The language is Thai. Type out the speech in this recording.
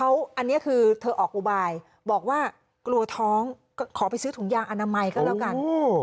อันนี้คือเธอออกอุบายบอกว่ากลัวท้องก็ขอไปซื้อถุงยางอนามัยก็แล้วกัน